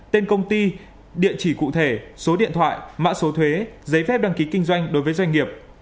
tên công ty địa chỉ cụ thể số điện thoại mã số thuế giấy phép đăng ký kinh doanh đối với doanh nghiệp